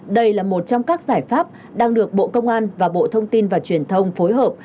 đây là một trong các giải pháp đang được bộ công an và bộ thông tin và truyền thông phối hợp